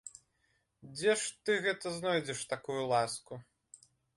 Дзе ж ты гэта знойдзеш такую ласку?